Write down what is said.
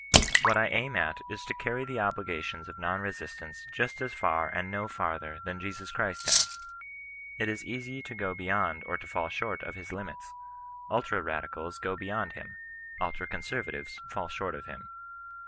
What I aim at is to carry the obligations of non resistance just as far and no farther than Jesus Christ has. It is easy to go beyond,* or to fobll short of his limits. Ultra radicals go beyond Jiiza, JJlin oanserratives fall short of him.